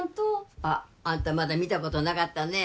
あああんたまだ見たことなかったね